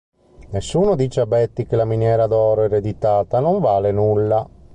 Nessuno dice a Betty che la miniera d'oro ereditata non vale nulla.